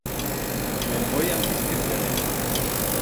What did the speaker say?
Me'n voi antis que pleguen.